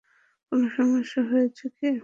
কোনো সমস্যা হয়েছে কী?